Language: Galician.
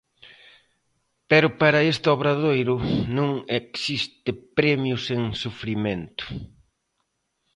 Pero para este Obradoiro non existe premio sen sufrimento.